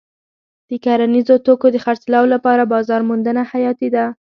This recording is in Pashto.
د کرنیزو توکو د خرڅلاو لپاره بازار موندنه حیاتي ده.